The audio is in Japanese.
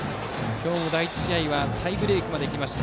今日の第１試合はタイブレークまで行きました。